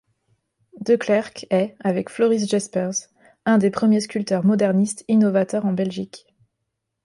De Clerck est, avec Floris Jespers, un des premiers sculpteurs modernistes innovateurs en Belgique.